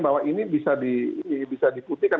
bahwa ini bisa diputihkan